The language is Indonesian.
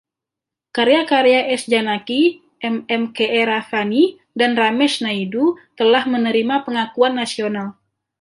Karya-karya S. Janaki, M. M. Keeravani, dan Ramesh Naidu telah menerima pengakuan Nasional.